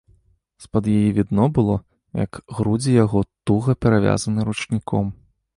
З-пад яе відно было, як грудзі яго туга перавязаны ручніком.